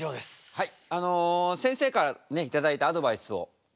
はい。